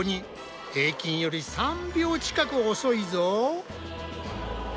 平均より３秒近く遅いぞ。